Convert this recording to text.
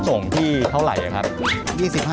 ส่งที่เท่าไหร่ครับ